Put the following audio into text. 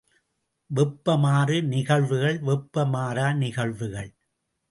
வெப்பமாறு நிகழ்வுகள், வெப்பம் மாறா நிகழ்வுகள்.